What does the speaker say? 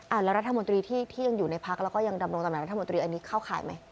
แล้วรัฐมนตรีที่ยังอยู่ในพักแล้วก็ยังดำรงตำแหนรัฐมนตรีอันนี้เข้าข่ายไหม